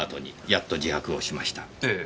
ええ。